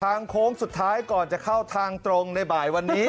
โค้งสุดท้ายก่อนจะเข้าทางตรงในบ่ายวันนี้